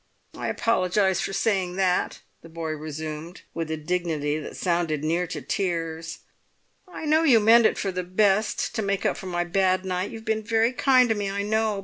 "I apologise for saying that," the boy resumed, with a dignity that sounded near to tears. "I know you meant it for the best—to make up for my bad night—you've been very kind to me, I know!